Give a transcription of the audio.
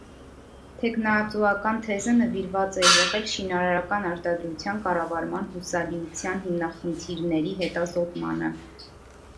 Թեկնածուական թեզը նվիրված է եղել շինարարական արտադրության կառավարման հուսալիության հիմնախնդիրների հետազոտմանը։